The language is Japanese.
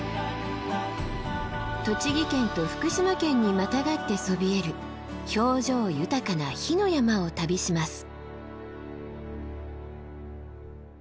栃木県と福島県にまたがってそびえる表情豊かな火の山を旅します。